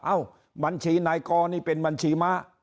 เอ้าบัญชีนายกอนี่เป็นบัญชีม้า